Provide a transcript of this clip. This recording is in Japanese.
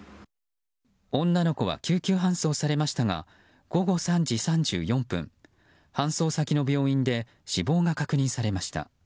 女の子は救急搬送されましたが午後３時３４分搬送先の病院で死亡が確認されました。